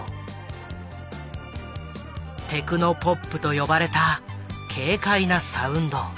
テクノポップと呼ばれた軽快なサウンド。